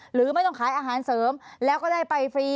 หรือไม่ต้องขายอาหารเสริมแล้วก็ได้ไปฟรี